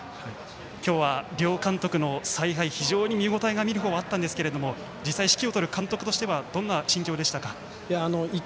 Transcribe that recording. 今日は両監督の采配、非常に見る方はあったんですが実際、指揮を執る監督としてはどんな心境でしたか？